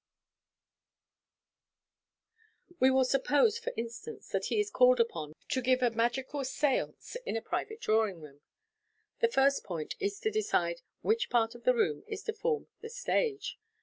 MODERN MAGIC, 509 We will suppose, for instance, that he is called upon to give a magical seance in a private drawing room. The first point is to decide which part of the room is to form the "stage."